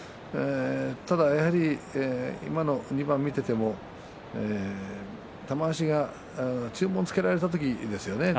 ただ、やはり今の２番を見ていても玉鷲が注文をつけられた時ですね